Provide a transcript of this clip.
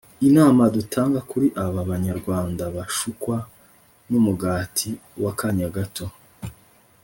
Inama dutanga kuri aba banyarwanda bashukwa n’umugati w’akanya gato